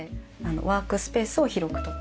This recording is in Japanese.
ワークスペースを広くとって。